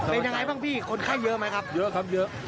เป็นยังไงบ้างพี่คนไข้เยอะไหมครับเยอะครับเยอะ